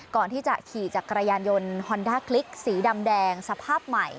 ก่อนที่จะขี่จักรยานยนต์ฮอนด้าคลิกสีดำแดงสภาพใหม่